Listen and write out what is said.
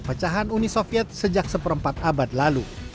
pecahan uni soviet sejak seperempat abad lalu